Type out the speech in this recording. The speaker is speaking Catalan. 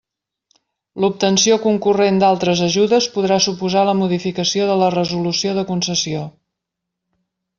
L'obtenció concurrent d'altres ajudes podrà suposar la modificació de la resolució de concessió.